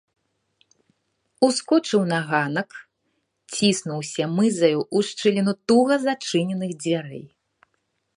Ускочыў на ганак, ціснуўся мызаю ў шчыліну туга зачыненых дзвярэй.